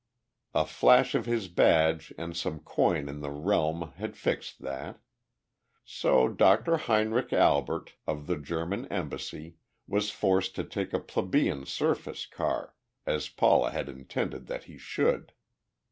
A flash of his badge and some coin of the realm had fixed that. So Dr. Heinrich Albert, of the German embassy, was forced to take a plebeian surface car as Paula had intended that he should.